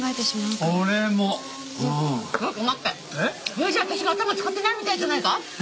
それじゃ私が頭使ってないみたいじゃないか。